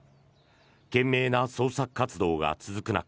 懸命な捜索活動が続く中